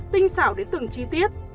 tinh xảo đến từng chi tiết